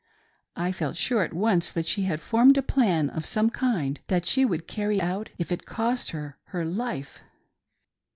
I felt sure at once that she had formed a plan of some kind, that she would carry it out if it cost her her life.